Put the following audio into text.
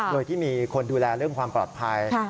โดยที่มีคนดูแลเรื่องความปลอดภัย